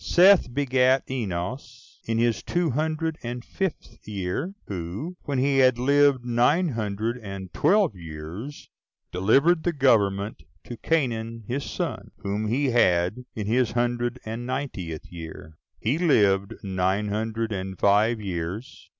Seth begat Enos in his two hundred and fifth year; who, when he had lived nine hundred and twelve years, delivered the government to Cainan his son, whom he had in his hundred and ninetieth year. He lived nine hundred and five years.